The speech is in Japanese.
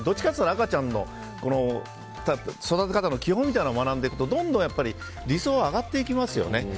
赤ちゃんの育て方の基本みたいなものを学んでいくとやっぱり、どんどん理想は上がっていきますよね。